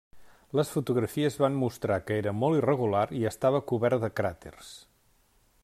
Les fotografies van mostrar que era molt irregular i estava cobert de cràters.